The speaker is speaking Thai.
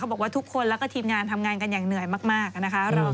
บอกว่าทุกคนแล้วก็ทีมงานทำงานกันอย่างเหนื่อยมากนะคะ